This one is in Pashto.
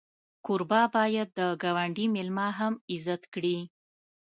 کوربه باید د ګاونډي میلمه هم عزت کړي.